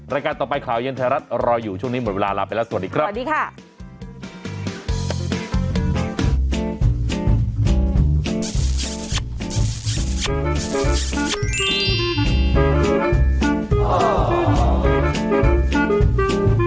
รายการต่อไปข่าวเย็นไทยรัฐรออยู่ช่วงนี้หมดเวลาลาไปแล้วสวัสดีครับสวัสดีค่ะ